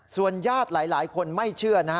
ส่วนญาติหลายคนไม่เชื่อนะฮะ